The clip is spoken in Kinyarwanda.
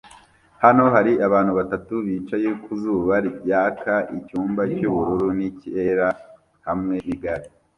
Hano hari abantu batatu bicaye ku zuba ryaka icyumba cyubururu nicyera hamwe nigare